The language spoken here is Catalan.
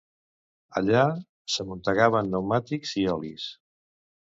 Allà s'amuntegaven pneumàtics i olis.